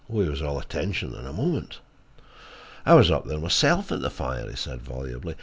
He was all attention in a moment. "I was up there myself at the fire," he said volubly.